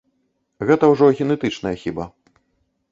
Гэта ўжо генетычная хіба.